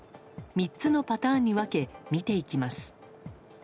３つのパターンに分け見ていきます。